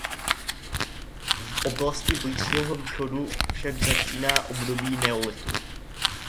V oblasti Blízkého východu však začíná období neolitu.